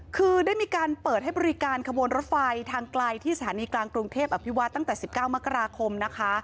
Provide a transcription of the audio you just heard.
คือได้มีการเปิดให้บริการขบวนรถไฟทางไกลที่สถานีกลางกรุงเทพอภิวัตตั้งแต่๑๙มกราคมนะคะ